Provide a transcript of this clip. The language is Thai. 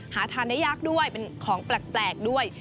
หาทานได้ยากด้วยเป็นของแปลกด้วย